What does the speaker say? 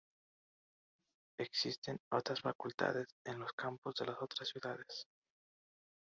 Existen otras facultades en los campus de las otras ciudades.